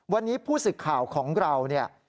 วันนี้ผู้สึกข่าวของเรา